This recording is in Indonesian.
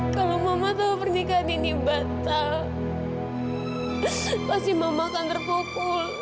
kalau mama tahu pernikahan ini batal pasti mama akan terpukul